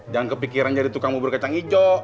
jangan kepikiran jadi tukang bubur kecang ijo